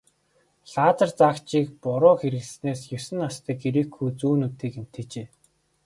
Лазер заагчийг буруу хэрэглэснээс есөн настай грек хүү зүүн нүдээ гэмтээжээ.